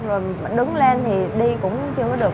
rồi đứng lên thì đi cũng chưa có được